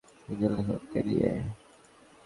হ্যাঁ, অনেকটা আমাকে নিয়েই একজন লেখককে নিয়ে।